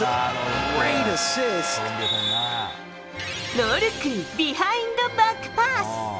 ノールックビハインドバックパス。